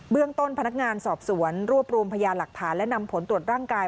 เรื่องต้นพนักงานสอบสวนรวบรวมพยานหลักฐานและนำผลตรวจร่างกาย